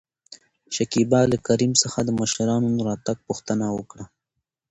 شکيبا له کريم څخه د مشرانو د راتګ پوښتنه وکړه.